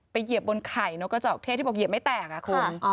ไปเหยียบบนไข่นกจอกเทะที่บอกว่าเหยียบไม่แตกอะคง